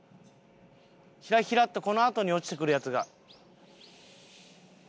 ヒラヒラっとこのあとに落ちてくるやつが。